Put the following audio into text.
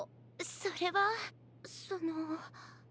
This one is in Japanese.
それはその。